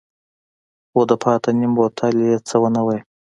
خو د پاتې نيم بوتل يې څه ونه ويل.